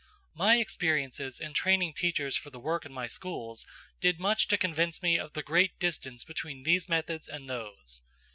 My experiences in training teachers for the work in my schools did much to convince me of the great distance between these methods and those.